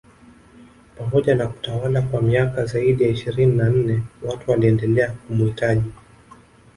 Pamoja na kutawala kwa miaka zaidi ya ishirini na nne watu waliendelea kumuhitaji